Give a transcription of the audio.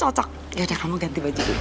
cocok ya udah kamu ganti baju dulu